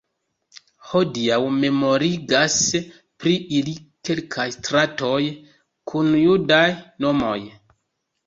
Hodiaŭ memorigas pri ili kelkaj stratoj kun judaj nomoj.